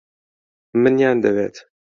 منیان دەوێت.